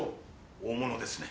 大物ですね。